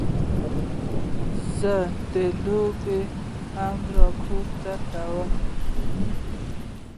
زه د لوبې راپور اورم.